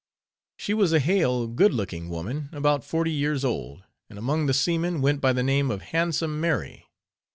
She was a hale, good looking woman, about forty years old, and among the seamen went by the name of _"Handsome Mary."